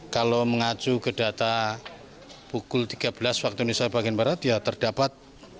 kalau mengacu ke data pukul tiga belas waktu indonesia bagian barat ya terdapat